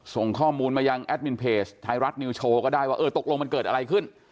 ส่งข้อมูลมายังแอดมินเพจไทยรัฐนิวโชว์ก็ได้ว่าเออตกลงมันเกิดอะไรขึ้น